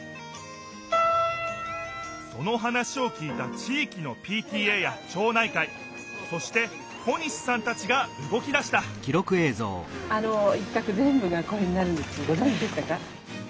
その話を聞いた地いきのＰＴＡや町内会そして小西さんたちがうごき出したあの一画ぜんぶが公園になるんですけどごぞんじでしたか？